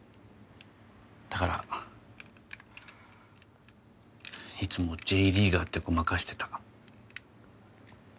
だからいつもＪリーガーってごまかしてた。